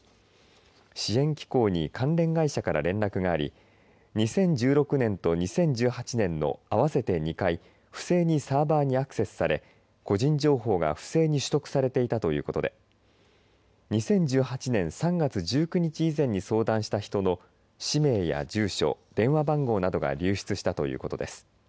支援機構に関連会社から連絡があり２０１６年と２０１８年の合わせて２回不正にサーバーにアクセスされ個人情報が不正に取得されていたということで２０１８年３月１９日以前に相談した人の氏名や住所、電話番号などが流出したということです。